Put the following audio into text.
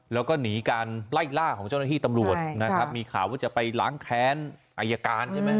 แล้วก็หนีการไล่ล่าของเจ้าหน้าที่ตำรวจนะครับมีข่าวว่าจะไปล้างแค้นอายการใช่ไหม